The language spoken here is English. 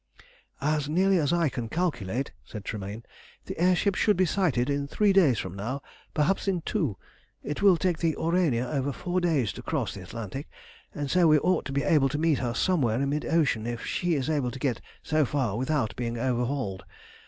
"As nearly as I can calculate," said Tremayne, "the air ship should be sighted in three days from now, perhaps in two. It will take the Aurania over four days to cross the Atlantic, and so we ought to be able to meet her somewhere in mid ocean if she is able to get so far without being overhauled.